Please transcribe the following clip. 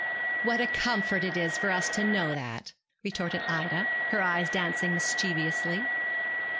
'What a comfort it is for us to know that!' retorted Ida, her eyes dancing mischievously.